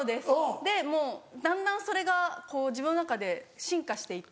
でもうだんだんそれが自分の中で進化して行って。